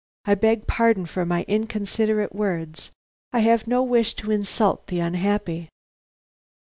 I beg pardon for my inconsiderate words. I have no wish to insult the unhappy."